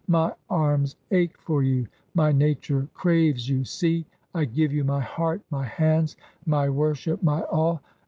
My arms ache for you, my nature craves you. See ! I give you my heart, my hands, my worship, my all